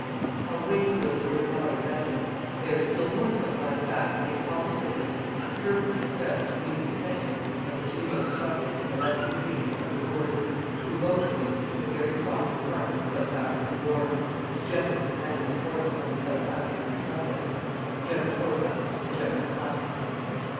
How weighty those words are is evident. They are still more so by the fact that they positively and firmly express the views and sentiments of the two most trusted and illustrious leaders of the Boers, who, both of them, took a very prominent part in the South African war, as generals commanding the forces of the South African Republics: General Botha and General Smuts.